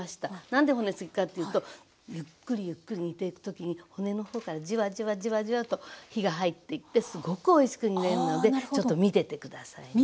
何で骨付きかっていうとゆっくりゆっくり煮ていく時に骨の方からじわじわじわじわと火が入っていってすごくおいしく煮えるのでちょっと見てて下さいね。